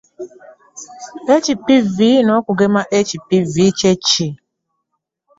HPV n’okugema HPV kye ki?